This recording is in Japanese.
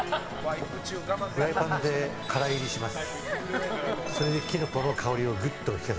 フライパンで乾煎りします。